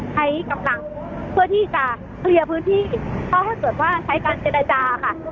ใช้กำลังเพื่อที่จะเคลียร์พื้นที่เพราะถ้าเกิดว่าใช้การเจรจาค่ะ